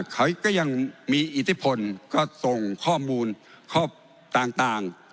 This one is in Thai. เขาก็ยังมีอิทธิพลก็ส่งข้อมูลข้อต่าง